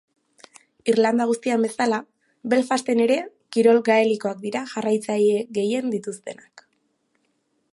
Irlanda guztian bezala, Belfasten ere kirol gaelikoak dira jarraitzaile gehien dituztenak.